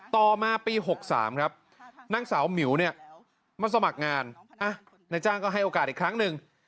ต่อมาปี๖๓ครับนางสาวหมิวเนี่ยมาสมัครงานนายจ้างก็ให้โอกาสอีกครั้งหนึ่ง